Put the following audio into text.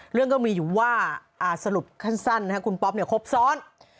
เรื่องก็มีอยู่ว่าสรุปสั้นคุณป๊อปเนี่ยครบซ้อน